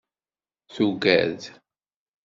Tugad.